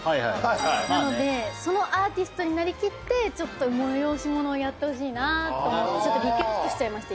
なのでアーティストになりきって催し物をやってほしいなと思っていくつかリクエストしちゃいました。